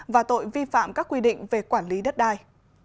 và tội vi phạm các quy định về quản lý đất đai